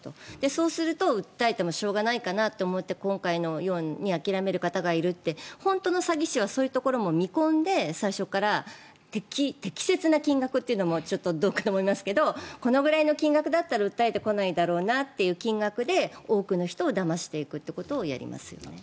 そうすると、訴えてもしょうがないかなと思って今回のように諦める方がいるって本当の詐欺師はそういうところも見込んで最初から適切な金額というのもちょっとどうかと思いますけどこのくらいの金額だったら訴えてこないだろうなという金額で多くの人をだましていくということをやりますよね。